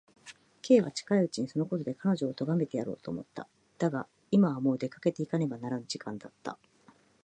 Ｋ は近いうちにそのことで彼女をとがめてやろうと思った。だが、今はもう出かけていかねばならぬ時間だった。